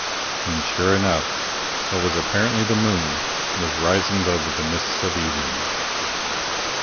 And, sure enough, what was apparently the moon was rising above the mists of evening.